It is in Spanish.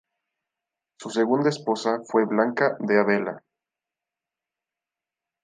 Su segunda esposa fue Blanca de Abella.